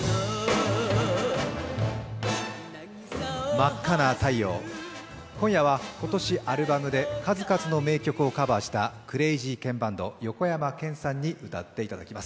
「真赤な太陽」、今夜は今年アルバムで数々の名曲をカバーしたクレイジーケンバンド横山剣さんに歌っていただきます。